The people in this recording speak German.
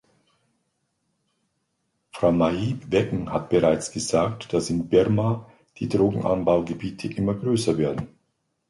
Frau Maij-Weggen hat bereits gesagt, dass in Birma die Drogenanbaugebiete immer größer werden.